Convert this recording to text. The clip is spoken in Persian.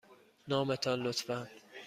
نام تان، لطفاً.